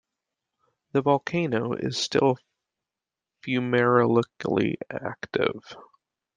The volcano is still fumarolically active.